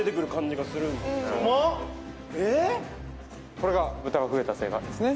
これが豚が増えたせいなんですね